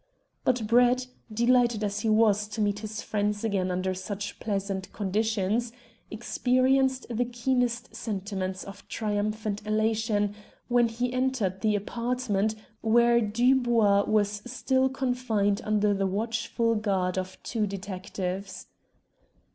But Brett, delighted as he was to meet his friends again under such pleasant conditions, experienced the keenest sentiments of triumphant elation when he entered the apartment where Dubois was still confined under the watchful guard of two detectives.